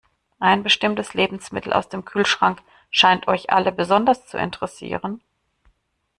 Ein bestimmtes Lebensmittel aus dem Kühlschrank scheint euch alle besonders zu interessieren.